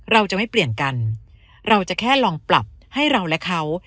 เราจะไม่เปลี่ยนกันเราจะแค่ลองปรับให้เราและเขา